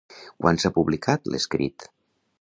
Quan s'ha publicat l'escrit?